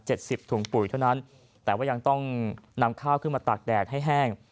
สิบถุงปุ๋ยเท่านั้นแต่ว่ายังต้องนำข้าวขึ้นมาตากแดดให้แห้ง